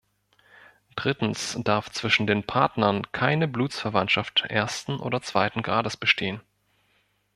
Drittens darf zwischen den Partnern keine Blutsverwandtschaft ersten oder zweiten Grades bestehen.